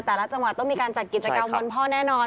แต่ละจังหวัดต้องมีการจัดกิจกรรมวันพ่อแน่นอน